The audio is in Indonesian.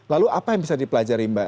lalu apa yang bisa dipelajari mbak